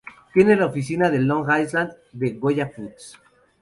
Tiene la oficina de Long Island de Goya Foods.